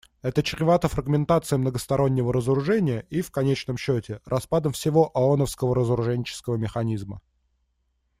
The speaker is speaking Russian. Это чревато фрагментацией многостороннего разоружения и, в конечном счете, распадом всего ооновского разоруженческого механизма.